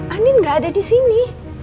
andin gak ada disini